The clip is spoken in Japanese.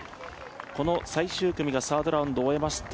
この最終組がサードラウンドを終えますと、